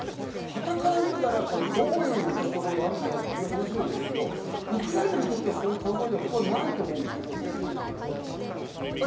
はたから見たらどういう落としどころがあるんだろうという話だけど、ウクライナにとってはそういう考えではないと思うんですが、いかがでしょうか？